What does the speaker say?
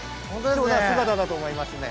貴重な姿だと思いますね。